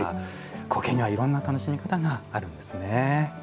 苔には、いろんな楽しみ方があるんですね。